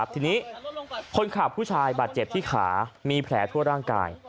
ทีนี้คนขับผู้ชายบาดเจ็บที่ขามีแผลทั่วร่างกาย